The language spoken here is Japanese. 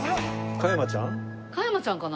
加山ちゃんかな？